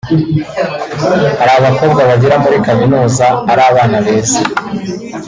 Hari abakobwa bagera muri Kaminuza ari abana beza